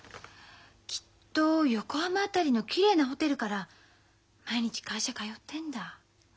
きっと横浜辺りのきれいなホテルから毎日会社通ってんだ。